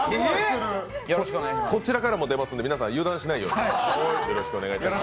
こちらからも出ますので皆さん、油断しないように。